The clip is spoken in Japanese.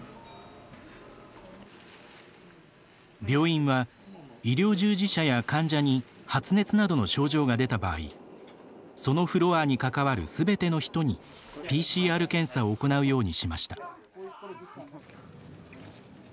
病院は医療従事者や患者に発熱などの症状が出た場合そのフロアに関わるすべての人にＰＣＲ検査を行うようにしました。